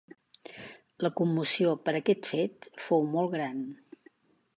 La commoció per aquest fet fou molt gran.